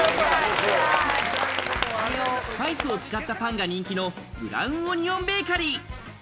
スパイスを使ったパンが人気のブラウンオニオンベーカリー。